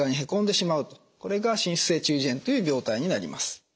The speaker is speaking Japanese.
これが滲出性中耳炎という病態になります。